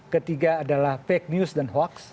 ketiga adalah fake news dan hoax